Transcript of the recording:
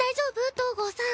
東郷さん。